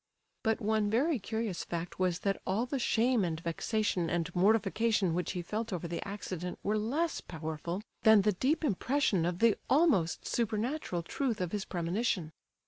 But one very curious fact was that all the shame and vexation and mortification which he felt over the accident were less powerful than the deep impression of the almost supernatural truth of his premonition.